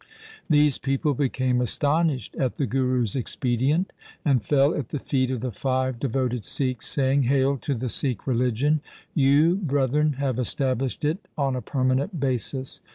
The people became astonished at the Guru's expedient, and fell at the feet of the five devoted Sikhs, saying, ' Hail to the Sikh religion ! You, brethren, have established it on a permanent basis.